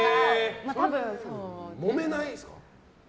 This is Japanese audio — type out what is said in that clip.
もめないんですか？